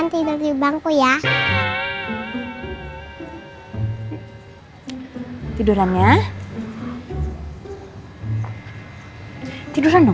bisa buka dulu matanya